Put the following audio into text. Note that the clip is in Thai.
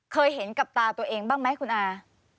เคยเห็นกับตาตัวเองบ้างไหมคุณอา